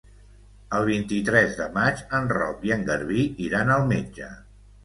El vint-i-tres de maig en Roc i en Garbí iran al metge.